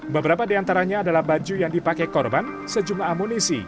beberapa diantaranya adalah baju yang dipakai korban sejumlah amunisi